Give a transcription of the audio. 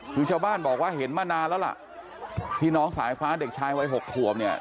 คือชาวบ้านบอกว่าเห็นมานานแล้วล่ะที่น้องสายฟ้าเด็กชายวัย๖ขวบเนี่ย